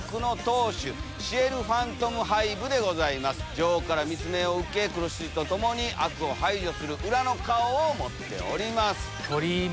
女王から密命を受け黒執事とともに悪を排除する裏の顔を持っております。